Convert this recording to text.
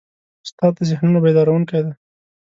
استاد د ذهنونو بیدارونکی دی.